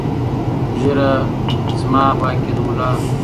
ـ ږيره دما، واک يې د ملا.